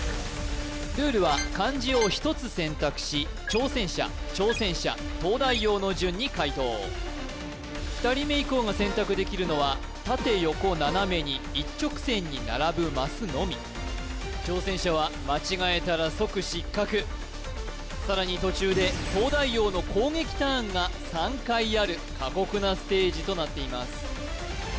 ルールは漢字を１つ選択し挑戦者挑戦者東大王の順に解答２人目以降が選択できるのは縦横斜めに一直線に並ぶマスのみ挑戦者は間違えたら即失格さらに途中で東大王の攻撃ターンが３回ある過酷なステージとなっています